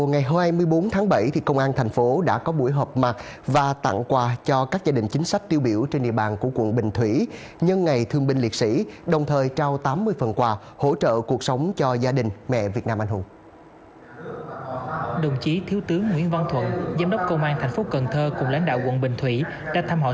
giám đốc công an tp cần thơ cùng lãnh đạo quận bình thủy đã thăm hỏi